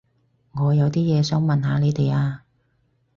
我有啲嘢想問下你哋啊